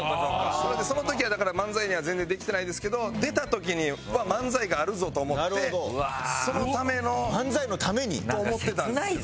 それでその時はだから漫才は全然できてないですけど出た時には漫才があるぞと思ってそのための。と思ってたんですけど。